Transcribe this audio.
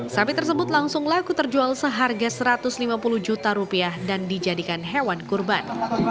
sapi tersebut langsung laku terjual seharga satu ratus lima puluh juta rupiah dan dijadikan hewan kurban